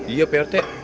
iya pak retek